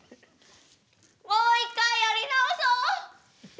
もう一回やり直そう！